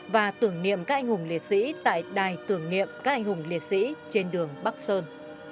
và tưởng niệm các anh hùng liệt sĩ tại đài tưởng niệm các anh hùng liệt sĩ trên đường bắc sơn